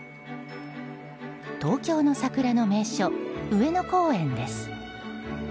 東京の桜の名所、上野公園です。